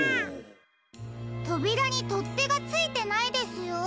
とびらにとってがついてないですよ。